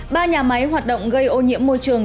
ba nhà máy hoạt động gây ô nhiễm môi trường